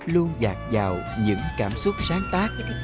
luôn dạt dào những cảm xúc sáng tác